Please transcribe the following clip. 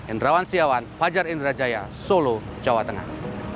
endrawan siawan fajar indrajaya solo jawa tengah